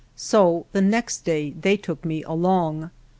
So the next day they took me along.